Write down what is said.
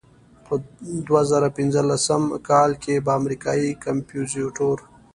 په دوه زره پنځلسم کال کې به امریکایي کمپوزیتور.